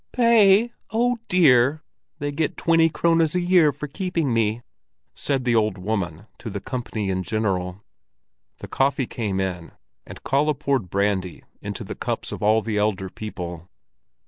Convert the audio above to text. "Pay! Oh dear! They get twenty krones a year for keeping me," said the old woman to the company in general. The coffee came in, and Kalle poured brandy into the cups of all the elder people.